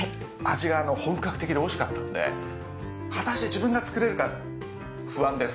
味が本格的でおいしかったんで果たして自分が作れるか不安です。